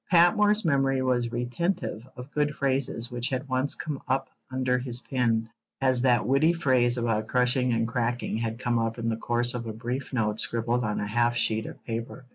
Patmore's memory was retentive of good phrases which had once come up under his pen, as that witty phrase about crushing and cracking had come up in the course of a brief note scribbled on a half sheet of paper.